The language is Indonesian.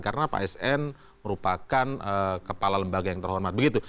karena pak sn merupakan kepala lembaga yang terhormat begitu